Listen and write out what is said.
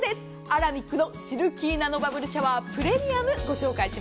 アラミックのシルキーナノバブルシャワープレミアムです。